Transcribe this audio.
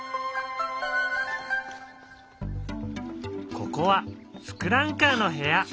ここは「ツクランカー」の部屋。